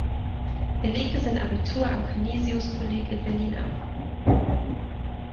Er legte sein Abitur am Canisius-Kolleg in Berlin ab.